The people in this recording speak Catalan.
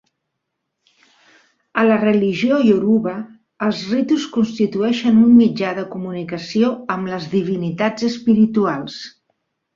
A la religió ioruba, els ritus constitueixen un mitjà de comunicació amb les divinitats espirituals.